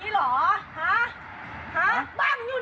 มึงเมาแล้บลับกับนี้หรอ